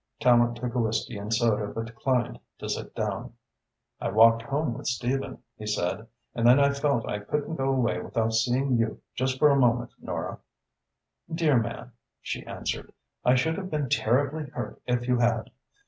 Tallente took a whisky and soda but declined to sit down. "I walked home with Stephen," he said, "and then I felt I couldn't go away without seeing you just for a moment, Nora." "Dear man," she answered, "I should have been terribly hurt if you had.